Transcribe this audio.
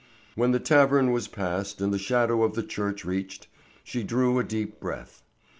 When the tavern was passed and the shadow of the church reached, she drew a deep breath.